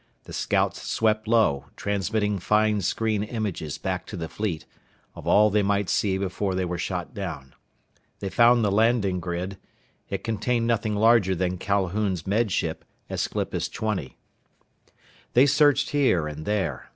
The scouts swept low, transmitting fine screen images back to the fleet, of all they might see before they were shot down. They found the landing grid. It contained nothing larger than Calhoun's Med Ship, Aesclipus Twenty. They searched here and there.